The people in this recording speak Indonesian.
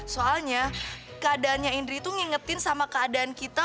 soalnya keadaannya indri itu ngingetin sama keadaan kita